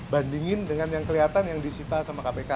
bandingin dengan yang kelihatan yang disita sama kpk